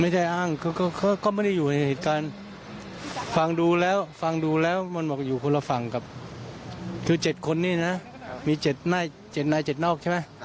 ไม่ใช่อ้างเขาก็ไม่ได้อยู่ในเหตุการณ์ฟังดูแล้วฟังดูแล้วมันบอกอยู่คนละฝั่งกับคือเจ็ดคนนี้นะมีเจ็ดนายเจ็ดนอกใช่ไหม